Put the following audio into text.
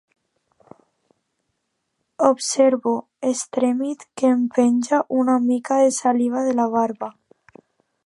Observo, estremit, que em penja una mica de saliva de la barba.